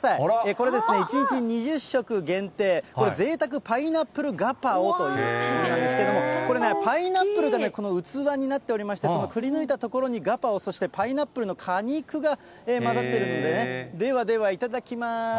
これですね、１日２０食限定、これ、贅沢パイナップルガパオというものなんですけれども、これね、パイナップルが器になっておりまして、くりぬいたところにガパオ、パイナップルの果肉が混ざってるのでね、ではではいただきます。